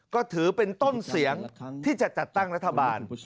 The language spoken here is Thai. ก็ถือเป็นต้นเสียงที่จะจัดตั้งรัฐบาล